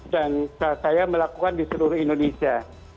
dan saya melakukan di seluruh indonesia